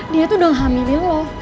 dia tuh udah hamilin lo